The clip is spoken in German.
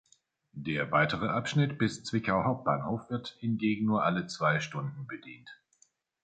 Der weitere Abschnitt bis Zwickau Hbf wird hingegen nur alle zwei Stunden bedient.